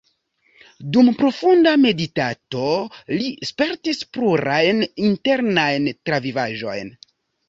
Dum profunda meditado li spertis plurajn internajn travivaĵojn.